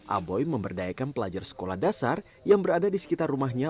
aboy memberdayakan pelajar sekolah dasar yang berada di sekitar rumahnya